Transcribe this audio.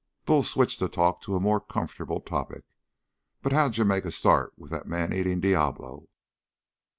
Bull switched the talk to a more comfortable topic. "But how'd you make a start with that man eating Diablo?"